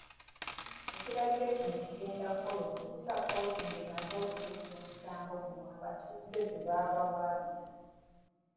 Ekiragiro kino kigenda kukola okutuusa nga kkooti emaze okuwulira omusango abatuuze bano gwe baawawaabira.